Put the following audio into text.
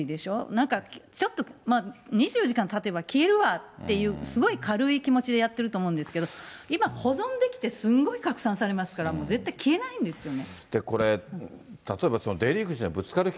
なんかちょっと、２４時間たてば消えるわっていう、すごい軽い気持ちでやってると思うんですけれども、今、保存できて、すんごい拡散されますから、絶対消えないんですよね。